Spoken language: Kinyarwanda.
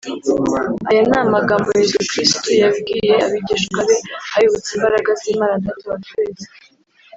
Aya ni amagambo Yezu Krisitu yabwiye abigishwa be abibutsa imbaraga z’Imana Data wa twese